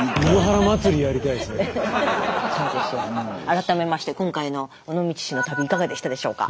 改めまして今回の尾道市の旅いかがでしたでしょうか？